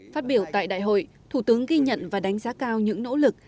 phát biểu tại đại hội thủ tướng ghi nhận và đánh giá cao những nỗ lực